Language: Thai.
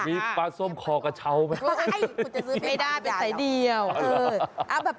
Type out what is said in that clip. มีปลาส้มของกระเชามาก